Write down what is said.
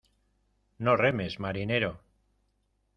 No remes, marinero.